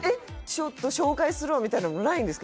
「ちょっと紹介するわ」みたいなのもないんですか？